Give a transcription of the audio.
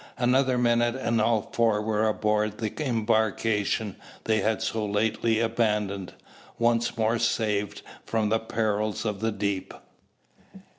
Another minute and all four were aboard the embarkation they had so lately abandoned, once more saved from the perils of the deep!